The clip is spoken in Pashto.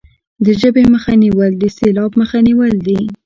د ژبې مخه نیول د سیلاب مخه نیول دي.